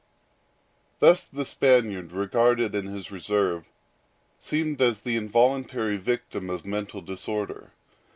Thus, the Spaniard, regarded in his reserve, seemed the involuntary victim of mental disorder.